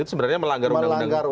itu sebenarnya melanggar undang undang